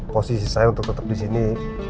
posisi saya untuk tetap di sini